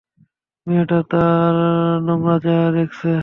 মেয়েটা তোর নোংরা চেহারা দেখছে?